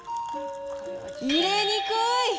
入れにくい！